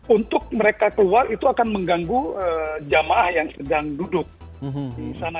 untuk mereka keluar itu akan mengganggu jamaah yang sedang duduk di sana